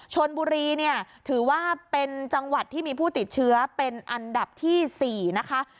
ชนบุรีเนี่ยถือว่าเป็นจังหวัดที่มีผู้ติดเชื้อเป็นอันดับที่๔นะคะ